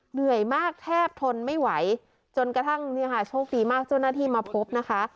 เหนื่อยมากแทบทนไม่ไหวจนกระทั่งเนี่ยค่ะโชคดีมากเจ้าหน้าที่มาพบนะคะ